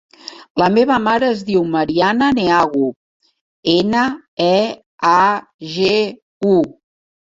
La meva mare es diu Mariana Neagu: ena, e, a, ge, u.